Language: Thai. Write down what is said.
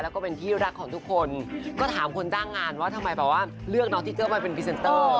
แล้วก็เป็นที่รักของทุกคนก็ถามคนจ้างงานว่าทำไมแบบว่าเลือกน้องทิเกอร์มาเป็นพรีเซนเตอร์